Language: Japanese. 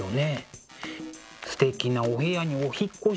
すてきなお部屋にお引っ越し。